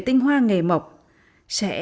tinh hoa nghề mộc sẽ